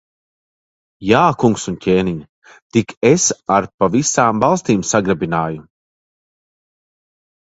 Jā, kungs un ķēniņ! Tik es ar pa visām valstīm sagrabināju.